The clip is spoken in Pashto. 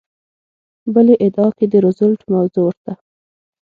بلې ادعا کې د روزولټ موضوع ورته وه.